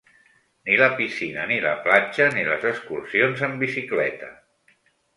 Ni la piscina, ni la platja, ni les excursions en bicicleta.